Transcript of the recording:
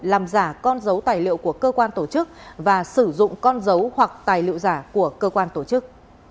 làm giả con dấu tài liệu của cơ quan tổ chức và sử dụng con dấu hoặc tài liệu giả của cơ quan tổ chức